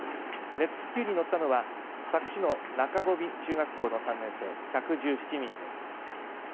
熱気球に乗ったのは佐久市の中込中学校の３年生１１８人です。